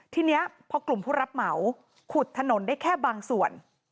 ทีนี้พอกลุ่มผู้รับเหมาขุดถนนได้แค่บางส่วน